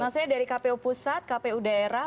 maksudnya dari kpu pusat kpu daerah